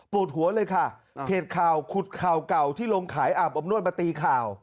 หัวเลยค่ะเพจข่าวขุดข่าวเก่าที่ลงขายอาบอบนวดมาตีข่าว